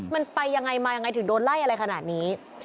มันไปยังไงมายังไงถึงโดนไล่อะไรขนาดนี้